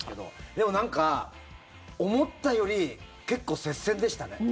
でも、なんか思ったより結構、接戦でしたね。